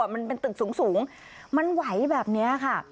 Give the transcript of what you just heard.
มันเป็นตึกสูงมันไหวแบบนี้ค่ะ